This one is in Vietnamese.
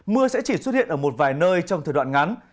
mưa sẽ chỉ xuất hiện ở một vài nơi trong thời đoạn ngắn